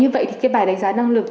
hoặc con đẻ của anh hùng